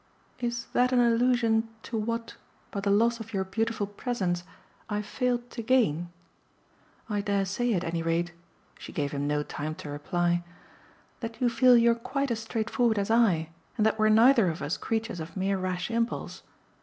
"Is that an allusion to what by the loss of your beautiful presence I've failed to 'gain'? I dare say at any rate" she gave him no time to reply "that you feel you're quite as straightforward as I and that we're neither of us creatures of mere rash impulse.